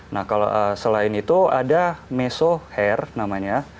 nah kalau selain itu ada meso hair namanya